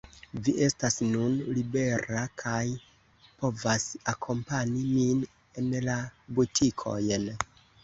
Vi estas nun libera kaj povas akompani min en la butikojn.